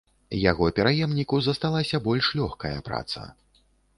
Яго пераемніку засталася больш лёгкая праца.